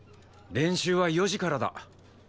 練習は４時からだ。